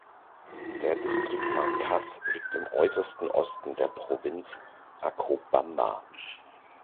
Der Distrikt Marcas liegt im äußersten Osten der Provinz Acobamba.